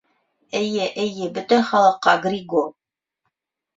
— Эйе, эйе, бөтә халыҡҡа, Григо...